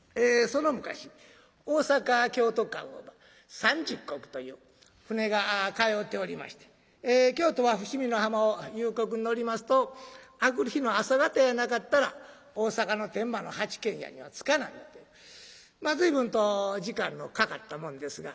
その昔大坂・京都間を三十石という船が通うておりまして京都は伏見の浜を夕刻に乗りますと明くる日の朝方やなかったら大坂の天満の八軒家には着かなんだという随分と時間のかかったもんですが。